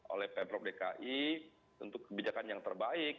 oleh pemprov dki untuk kebijakan yang terbaik